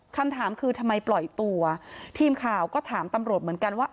คำถามคือทำไมปล่อยตัวทีมข่าวก็ถามตำรวจเหมือนกันว่า